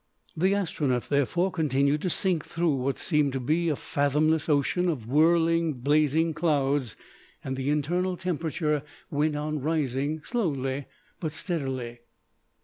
The Astronef, therefore, continued to sink through what seemed to be a fathomless ocean of whirling, blazing clouds, and the internal temperature went on rising slowly but steadily.